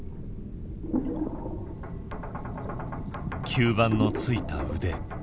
吸盤のついた腕。